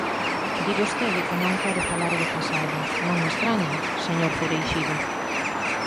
Di vostede que non quere falar do pasado, non me estraña, señor Cereixido.